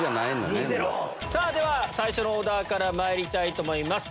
では最初のオーダーからまいりたいと思います。